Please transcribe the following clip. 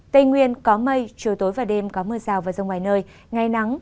tây nguyên có mây chiều tối và đêm có mưa rào và rông vài nơi ngày nắng